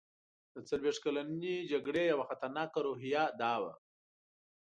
د څلوېښت کلنې جګړې یوه خطرناکه روحیه دا وه.